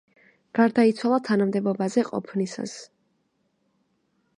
გარდაიცვალა თანამდებობაზე ყოფნისას.